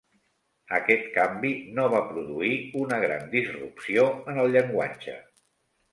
Aquest canvi no va produir una gran disrupció en el llenguatge.